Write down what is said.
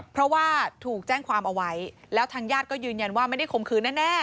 เพราะว่าถูกแจ้งความเอาไว้แล้วทางญาติก็ยืนยันว่าไม่ได้คมคืนแน่